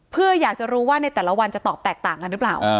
เพื่ออยากจะรู้ว่าในแต่ละวันจะตอบแตกต่างกันหรือเปล่า